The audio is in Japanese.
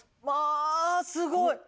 まあすごい！